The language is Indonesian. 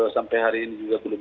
sampai hari ini juga belum